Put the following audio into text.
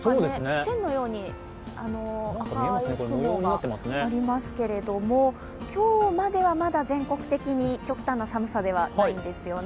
線のように赤い雲がありますけど今日までは、まだ全国的に極端な寒さではないんですよね。